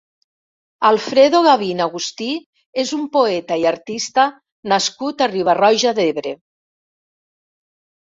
Alfredo Gavín Agustí és un poeta i artista nascut a Riba-roja d'Ebre.